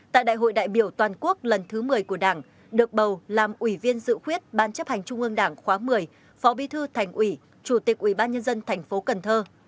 tại đại hội đại biểu toàn quốc lần thứ một mươi của đảng được bầu làm ủy viên dự quyết ban chấp hành trung ương đảng khóa một mươi phó bí thư thành ủy chủ tịch ủy ban nhân dân thành phố cần thơ